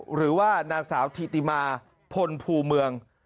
หรือว่านางสาวธิติมาพลภูเมือง